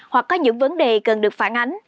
hoặc có những vấn đề cần được phản ánh